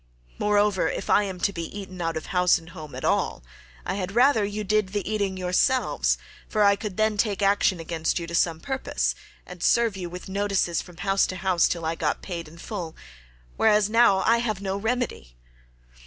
Moreover, if I am to be eaten out of house and home at all, I had rather you did the eating yourselves, for I could then take action against you to some purpose, and serve you with notices from house to house till I got paid in full, whereas now I have no remedy."